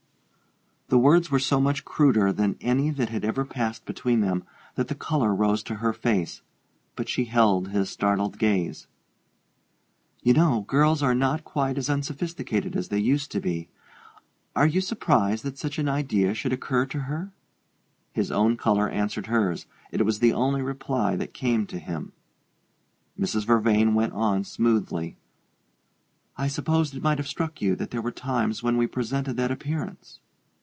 The words were so much cruder than any that had ever passed between them that the color rose to her face; but she held his startled gaze. "You know girls are not quite as unsophisticated as they used to be. Are you surprised that such an idea should occur to her?" His own color answered hers: it was the only reply that came to him. Mrs. Vervain went on, smoothly: "I supposed it might have struck you that there were times when we presented that appearance."